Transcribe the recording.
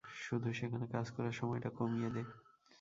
শুধু সেখানে কাজ করার সময়টা কমিয়ে দে।